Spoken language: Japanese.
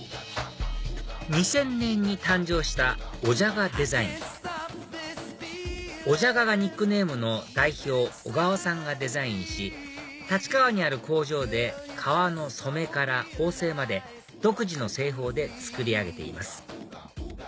２０００年に誕生したオジャガデザインＯＪＡＧＡがニックネームの代表ｏｇａｗａさんがデザインし立川にある工場で革の染めから縫製まで独自の製法で作り上げています